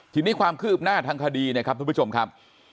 ทีนี้ความคืบหน้าทางคดีนะครับทุกผู้ชมครับ